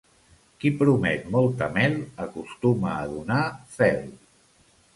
Qui promet molta mel acostuma a donar fel.